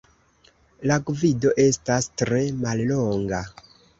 La gvido estas tre mallonga.